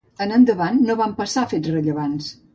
En endavant no van passar fets rellevants.